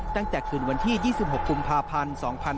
ตั้งแต่คืนวันที่๒๖กุมภาพันธ์๒๕๕๙